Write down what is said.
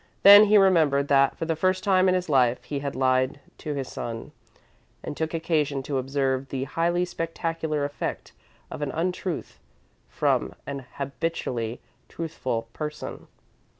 Then he remembered that, for the first time in his life, he had lied to his son, and took occasion to observe the highly spectacular effect of an untruth from an habitually truthful person.